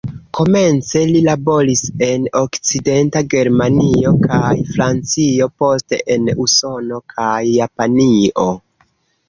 Komence li laboris en Okcidenta Germanio kaj Francio, poste en Usono kaj Japanio.